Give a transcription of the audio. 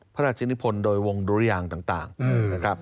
พระราชนิพลโดยวงดุรยางต่างนะครับ